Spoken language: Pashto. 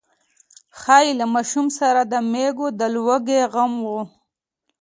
ښايي له ماشوم سره د مېږو د لوږې غم و.